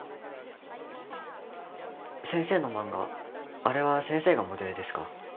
先生の漫画あれは先生がモデルですか？